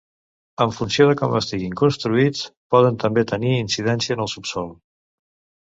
En funció de com estiguin construïts, poden també tenir incidència en el subsòl.